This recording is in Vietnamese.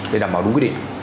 để đảm bảo đúng quy định